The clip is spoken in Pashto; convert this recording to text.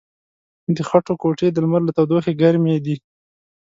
د خټو کوټې د لمر له تودوخې ګرمې دي.